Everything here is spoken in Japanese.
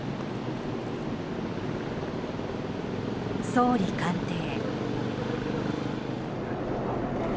総理官邸。